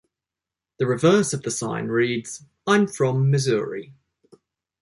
The reverse of the sign reads, I'm from Missouri.